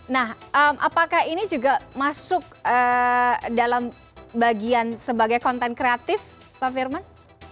nah apakah ini juga masuk dalam bagian sebagai konten kreatif pak firman